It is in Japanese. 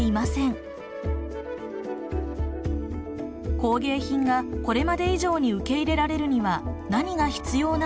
工芸品がこれまで以上に受け入れられるには何が必要なのか。